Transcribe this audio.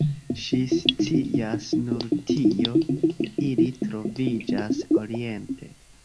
Ŝi scias nur tion: ili troviĝas oriente.